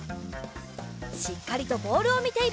しっかりとボールをみている！